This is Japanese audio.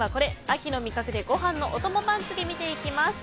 秋の味覚でご飯のお供番付見ていきます。